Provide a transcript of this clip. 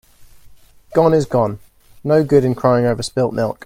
Gone is gone. No good in crying over spilt milk.